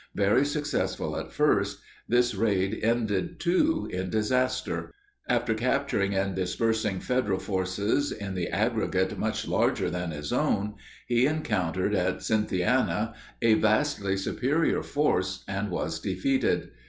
Very successful at first, this raid ended, too, in disaster. After capturing and dispersing Federal forces in the aggregate much larger than his own, he encountered at Cynthiana a vastly superior force, and was defeated.